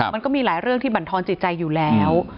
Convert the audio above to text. มันก็มีหลายเรื่องที่บรรทอนจิตใจอยู่แล้ว